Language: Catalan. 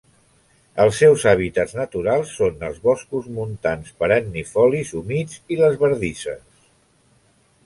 Els seus hàbitats naturals són els boscos montans perennifolis humits i les bardisses.